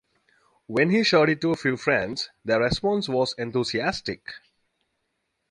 When he showed it to a few friends, their response was enthusiastic.